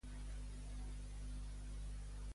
Què asseguren Xenofont i Diodor de Sicília?